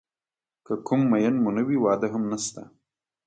که کوم مېن مو نه وي واده هم نشته.